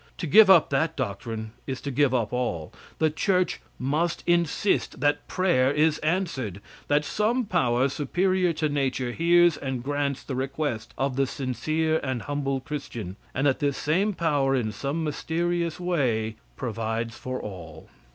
To give up that doctrine is to give up all. The church must insist that prayer is answered that some power superior to nature hears and grants the request of the sincere and humble Christian, and that this same power in some mysterious way provides for all.